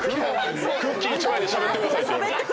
「クッキー１枚でしゃべってください」って。